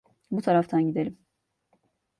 Bu taraftan gidelim.